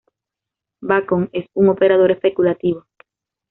Bacon es un operador especulativo.